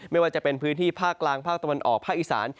ไม่ว่าจะเป็นพื้นที่ภาคกลางภาคตะวันออกภาคอีสาน